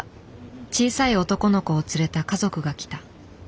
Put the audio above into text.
小さい男の子を連れた家族が来た。